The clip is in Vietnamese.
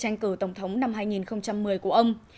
tranh cử tổng thống năm hai nghìn một mươi của ông